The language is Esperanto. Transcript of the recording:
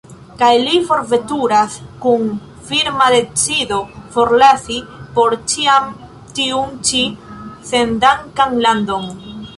Kaj li forveturas, kun firma decido forlasi por ĉiam tiun ĉi sendankan landon.